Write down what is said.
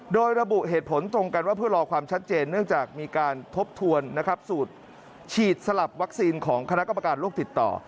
โดยระบุเหตุผลตรงกันว่าเพื่อรอความชัดเจนเนื่องจากมีการทบทวนสูตรฉีดสลับวัคซีนของคณะกรรมการโลกติดต่อ